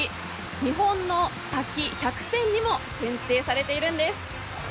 日本の滝１００選にも認定されているんです。